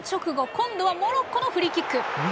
今度はモロッコのフリーキック。